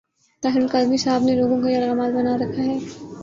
طاہر القادری صاحب نے لوگوں کو یرغمال بنا رکھا ہے۔